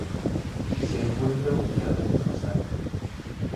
Se encuentra ubicada en Osaka.